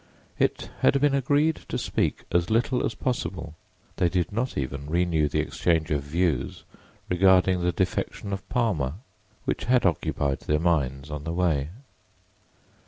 It had been agreed to speak as little as possible: they did not even renew the exchange of views regarding the defection of Palmer, which had occupied their minds on the way.